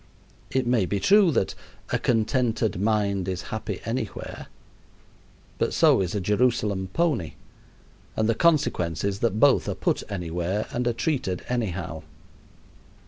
It may be true that "a contented mind is happy anywhere," but so is a Jerusalem pony, and the consequence is that both are put anywhere and are treated anyhow.